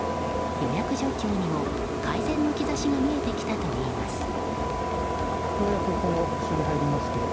予約状況にも改善の兆しが見えてきたといいます。